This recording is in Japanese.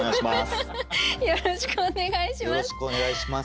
よろしくお願いします。